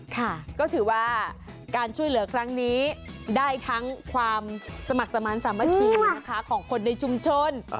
ค่ะก็ถือว่าการช่วยเหลือครั้งนี้ได้ทั้งความสมัครสมาธิสามัคคีนะคะของคนในชุมชน